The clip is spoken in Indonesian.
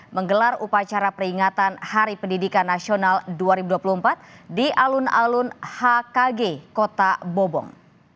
menggelar upacara peringatan hari pendidikan nasional dua ribu dua puluh empat di alun alun hkg kota bobong